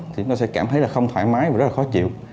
thì chúng ta sẽ cảm thấy là không thoải mái và rất là khó chịu